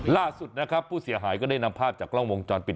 ล่าสุดนะครับผู้เสียหายก็ได้นำภาพจากกล้องวงจรปิด